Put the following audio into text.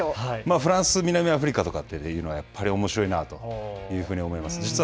フランス、南アフリカというのはやっぱりおもしろいなというふうに思います。